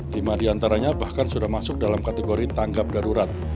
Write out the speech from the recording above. lima diantaranya bahkan sudah masuk dalam kategori tanggap darurat